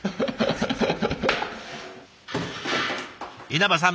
稲葉さん